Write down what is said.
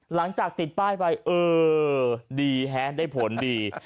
หลังจากติดป้ายไปเออดีฮะได้ผลดี